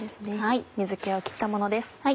水気を切ったものです。